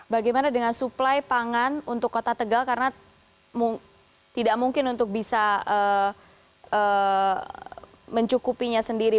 bagaimana dengan suplai pangan untuk kota tegal karena tidak mungkin untuk bisa mencukupinya sendiri